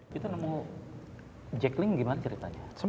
kita nemu jack ling gimana ceritanya